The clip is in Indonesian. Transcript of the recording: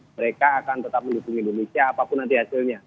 mereka akan tetap mendukung indonesia apapun nanti hasilnya